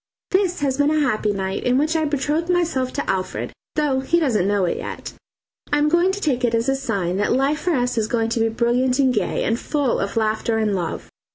This has been a happy night, in which I betrothed myself to Alfred, though he doesn't know it yet. I am going to take it as a sign that life for us is going to be brilliant and gay, and full of laughter and love.